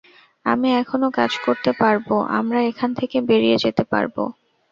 আমি এখনও কাজ করতে পারবো, আমরা এখান থেকে বেরিয়ে যেতে পারবো।